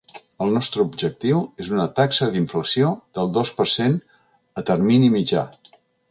El nostre objectiu és una taxa d’inflació del dos per cent a termini mitjà.